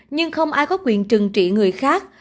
nhưng không ai có quyền trừng trị người khác